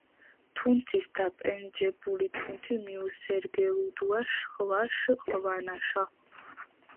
თუნთის დაპენჯებული თუნთი მიუსერგელუდუა შხვაშ ყვანაშა.